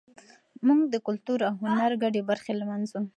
موږ د کلتور او هنر ګډې برخې لمانځو.